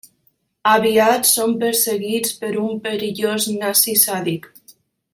Aviat, són perseguits per un perillós nazi sàdic.